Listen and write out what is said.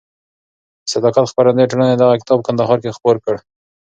د صداقت خپرندویه ټولنې دغه کتاب په کندهار کې خپور کړ.